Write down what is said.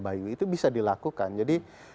bayi itu bisa dilakukan jadi